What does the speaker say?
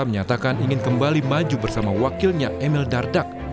menyatakan ingin kembali maju bersama wakilnya emil dardak